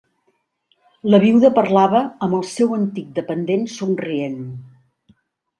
La viuda parlava amb el seu antic dependent somrient.